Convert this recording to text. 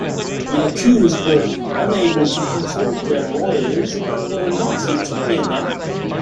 The accused were unable to consult their lawyers, who were not seated near them.